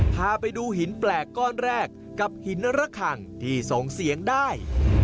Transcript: พาไปดูหินแปลกก้อนแรกกับหินระคังที่ส่งเสียงได้